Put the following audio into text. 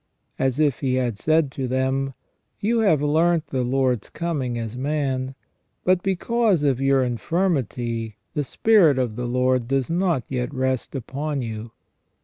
As if he had said to them : You have learnt the Lord's coming as man, but because of your infirmity the Spirit of the Lord does not yet rest upon you.